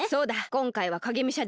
こんかいはかげむしゃではない。